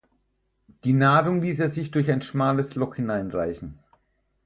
Die Nahrung ließ er sich durch ein schmales Loch hineinreichen.